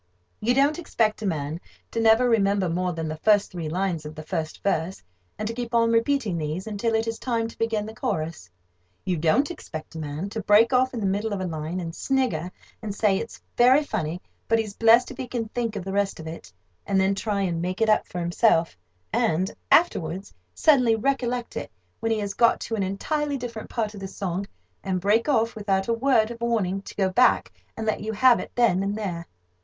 You don't expect a man to never remember more than the first three lines of the first verse, and to keep on repeating these until it is time to begin the chorus. You don't expect a man to break off in the middle of a line, and snigger, and say, it's very funny, but he's blest if he can think of the rest of it, and then try and make it up for himself, and, afterwards, suddenly recollect it, when he has got to an entirely different part of the song, and break off, without a word of warning, to go back and let you have it then and there.